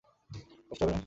কষ্ট হবে না?